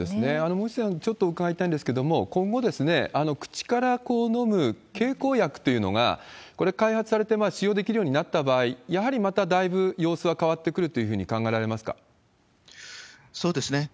森内さんにちょっと伺いたいんですけれども、今後、口から飲む経口薬というのが、これ、開発されて使用できるようになった場合、やはりまただいぶ様子は変わってくるというふうに考えられますかそうですね。